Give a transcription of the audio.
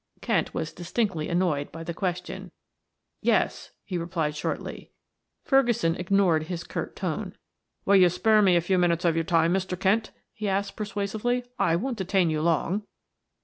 Kent was distinctly annoyed by the question. "Yes," he replied shortly. Ferguson ignored his curt tone. "Will you spare me a few minutes of your time, Mr. Kent?" he asked persuasively. "I won't detain you long."